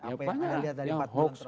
apa yang kita lihat dari patungan terakhir